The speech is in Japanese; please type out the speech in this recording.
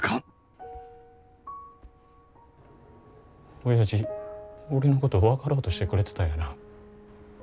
おやじ俺のこと分かろうとしてくれてたんやな。